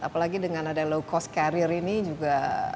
apalagi dengan ada low cost carrier ini juga